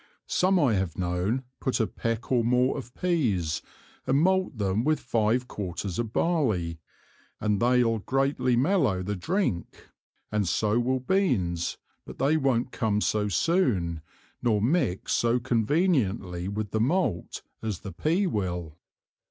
Some I have known put a Peck or more of Peas, and malt them with five Quarters of Barley, and they'll greatly mellow the Drink, and so will Beans; but they won't come so soon, nor mix so conveniently with the Malt, as the Pea will.